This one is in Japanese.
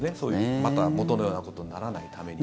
また、元のようなことにならないために。